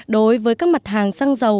đối với các mặt hàng xăng dầu